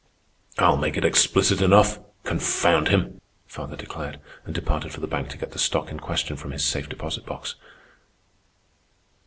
"I'll make it explicit enough, confound him," father declared, and departed for the bank to get the stock in question from his safe deposit box.